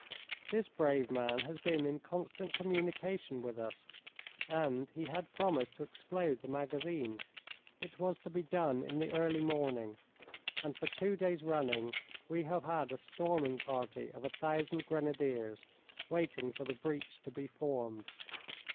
This brave man has been in constant communication with us, and he had promised to explode the magazine. It was to be done in the early morning, and for two days running we have had a storming party of a thousand Grenadiers waiting for the breach to be formed.